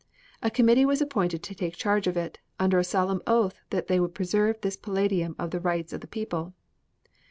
A committee was appointed to take charge of it, under a solemn oath that they would preserve this palladium of the rights of the people.